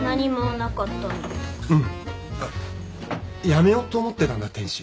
やめようと思ってたんだ天使。